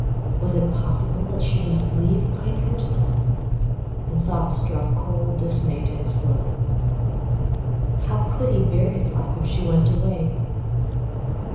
Was it possible that she must leave Pinehurst? The thought struck cold dismay to his soul. How could he bear his life if she went away?